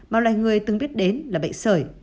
màu loài người từng biết đến là bệnh sởi